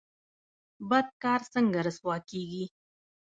بد کار څنګه رسوا کیږي؟